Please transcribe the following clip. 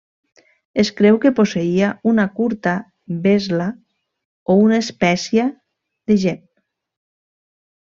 Es creu que posseïa una curta vés-la o una espècia de gep.